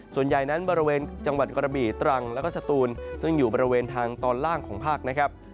ส่วนใหญ่นั้นบริเวณจังหวัดกระบี่ตรังแล้วก็สตูนซึ่งอยู่บริเวณทางตอนล่างของภาคนะครับ